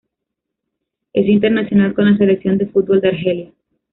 Es internacional con la selección de fútbol de Argelia.